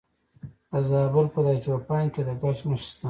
د زابل په دایچوپان کې د ګچ نښې شته.